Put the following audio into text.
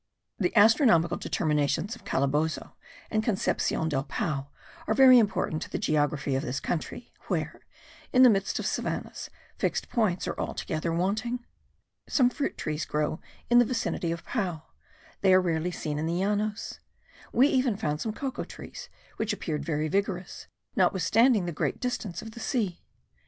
The astronomical determinations of Calabozo and Concepcion del Pao are very important to the geography of this country, where, in the midst of savannahs, fixed points are altogether wanting. Some fruit trees grow in the vicinity of Pao: they are rarely seen in the Llanos. We even found some cocoa trees, which appeared very vigorous, notwithstanding the great distance of the sea.